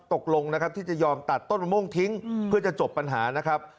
ตกลงนะครับที่จะยอมตัดต้นมะม่วงทิ้งเพื่อจะจบปัญหานะครับ